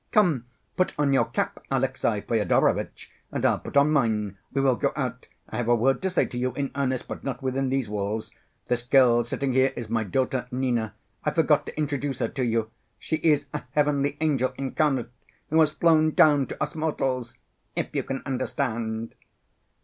Come, put on your cap, Alexey Fyodorovitch, and I'll put on mine. We will go out. I have a word to say to you in earnest, but not within these walls. This girl sitting here is my daughter Nina; I forgot to introduce her to you. She is a heavenly angel incarnate ... who has flown down to us mortals,... if you can understand."